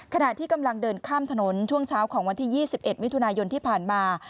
ขณะที่กำลังเดินข้ามถนนช่วงเช้าของวันที่๒๑มิถุนายนที่ผ่านมา